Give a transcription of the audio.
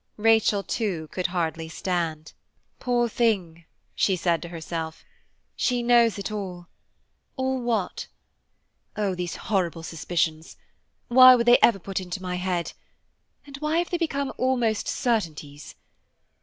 Rachel, too, could hardly stand. "Poor thing," she said to herself, "she knows it all–all what? Oh! these horrible suspicions! why were they ever put into my head? and why have they become almost certainties?